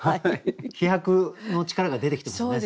飛躍の力が出てきてますね。